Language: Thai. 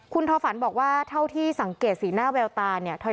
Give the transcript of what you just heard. คุณทอฝันบอกว่าเท่าที่สังเกตสีหน้าแววตาเนี่ย